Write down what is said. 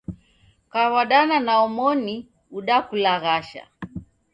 Kaw'adana na omoni udakulaghasha.